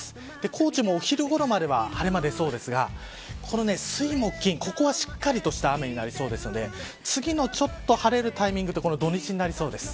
高知も昼ごろまでは晴れ間が広がりそうですが水、木、金はしっかりとした雨になりそうなので次のちょっと晴れるタイミングが土日になりそうです。